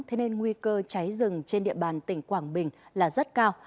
thế nên nguy cơ cháy rừng trên địa bàn tỉnh quảng bình là rất cao